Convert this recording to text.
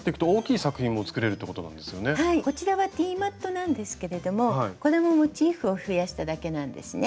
こちらはティーマットなんですけれどもこれもモチーフを増やしただけなんですね。